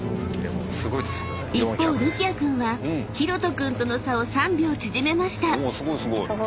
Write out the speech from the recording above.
［一方るきあ君はひろと君との差を３秒縮めました］